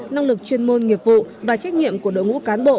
năng lực chuyên môn nghiệp vụ và trách nhiệm của đội ngũ cán bộ